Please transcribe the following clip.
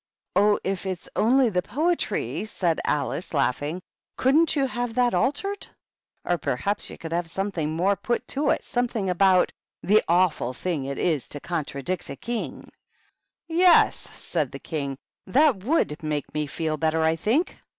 " Oh, if it's only the poetry," said Alice, laugh ing, "couldn't you have that altered? Or, per haps, you could have something more put to it, — something about ^ The Awful Thing it is to conr tradict a King /"" Yes," said the King ;" that would make me feel better, I think."